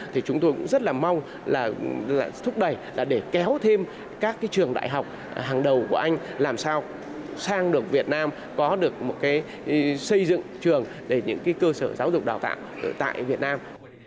thì chúng tôi cũng rất là mong là thúc đẩy là để kéo thêm các trường đại học hàng đầu của anh làm sao sang được việt nam có được một cái xây dựng trường để những cái cơ sở giáo dục đào tạo tại việt nam